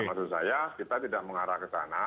kita tidak mengarah ke sana